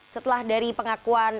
setelah dari pengakuan